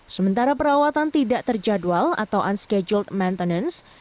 sementara perawatan tidak terjadwal atau unscheduled maintenance